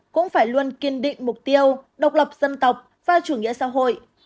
cũng phải luôn kiên định mục tiêu độc lập dân tộc và chủ nghĩa xã hội